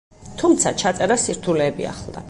თუმცა, ჩაწერას სირთულეები ახლდა.